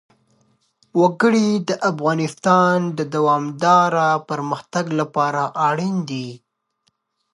وګړي د افغانستان د دوامداره پرمختګ لپاره اړین دي.